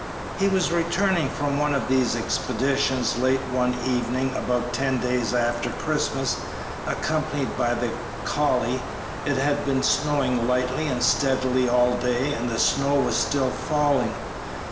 He was returning from one of these expeditions late one evening about ten days after Christmas, accompanied by the collie. It had been snowing lightly and steadily all day and the snow was still falling.